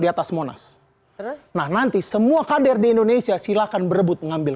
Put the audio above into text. diatas monas nah nanti semua kader di indonesia silahkan berebut mengambil